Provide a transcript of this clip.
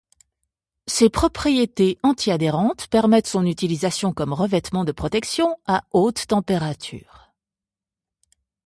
Ses propriétés anti-adhérentes permettent son utilisation comme revêtement de protection à haute température.